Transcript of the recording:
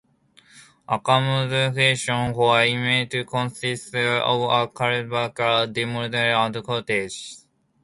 Accommodation for inmates consists of a cellblock, a dormitory and cottages.